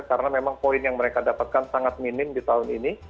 karena memang poin yang mereka dapatkan sangat minim di tahun ini